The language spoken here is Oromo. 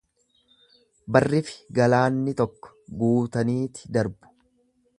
Barrifi galaanni tokko, guutaniiti darbu.